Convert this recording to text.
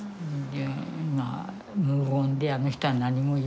まあ無言であの人は何も言わないしさ。